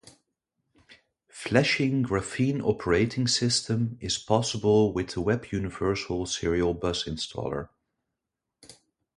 Flashing Graphene Operating System is possible with the web universal serial bus installer.